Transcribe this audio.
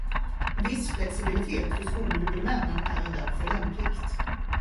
Viss flexibilitet för skolhuvudmännen är därför lämpligt.